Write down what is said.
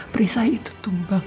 perisai itu tumbang